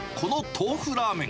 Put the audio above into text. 豆腐ラーメン。